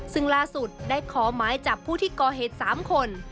ซึ่งล่าสุดได้ขอหมายจับผู้ที่ก่อเหตุ๓คน